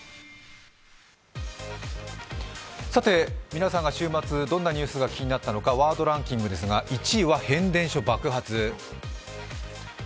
皆さんが週末、どんなニュースが気になったのかワードランキングですが１位は変電所爆発。